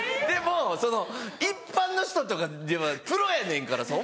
でもその一般の人とかではプロやねんから。